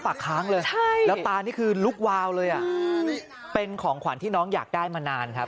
ปากค้างเลยใช่แล้วตานี่คือลุกวาวเลยอ่ะเป็นของขวัญที่น้องอยากได้มานานครับ